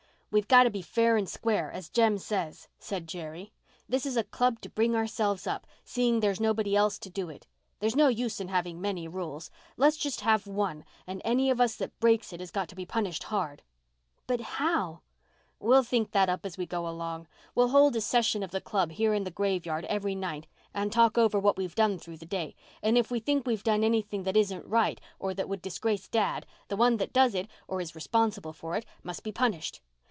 "We've got to be fair and square, as Jem says," said Jerry. "This is a club to bring ourselves up, seeing there's nobody else to do it. There's no use in having many rules. Let's just have one and any of us that breaks it has got to be punished hard." "But how." "We'll think that up as we go along. We'll hold a session of the club here in the graveyard every night and talk over what we've done through the day, and if we think we've done anything that isn't right or that would disgrace dad the one that does it, or is responsible for it, must be punished.